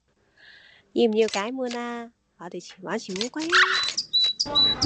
要唔要解悶啊我哋玩潛烏龜呀